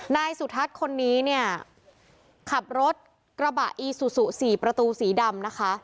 นายสุทัศน์คนนี้เนี่ยขับรถกระบะอีซูซูสี่ประตูสีดำนะคะ